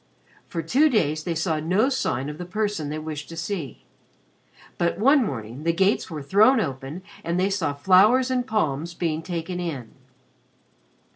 For two days they saw no sign of the person they wished to see, but one morning the gates were thrown open and they saw flowers and palms being taken in.